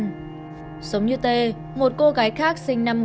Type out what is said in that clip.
giống như tê một cô gái khác sinh năm một nghìn chín trăm chín mươi năm